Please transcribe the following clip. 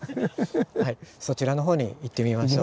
そちらの方に行ってみましょう。